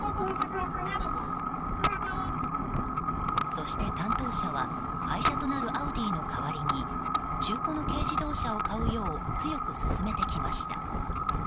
そして、担当者は廃車となるアウディの代わりに中古の軽自動車を買うよう強く勧めてきました。